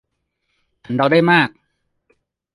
ฉันเดาได้มาก